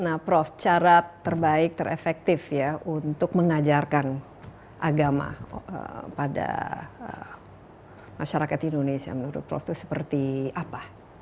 nah prof cara terbaik terefektif ya untuk mengajarkan agama pada masyarakat indonesia menurut prof itu seperti apa